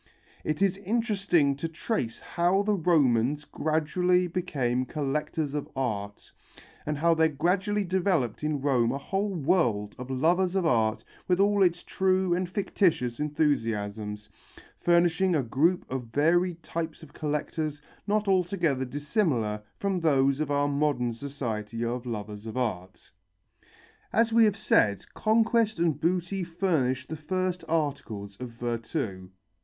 It is interesting to trace how the Romans gradually became collectors of art, and how there gradually developed in Rome a whole world of lovers of art with all its true and fictitious enthusiasms, furnishing a group of varied types of collectors not altogether dissimilar from those of our modern society of lovers of art. As we have said, conquest and booty furnished the first articles of virtu.